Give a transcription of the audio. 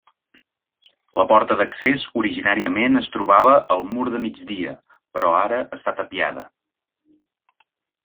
La porta d'accés originàriament es trobava al mur de migdia però ara està tapiada.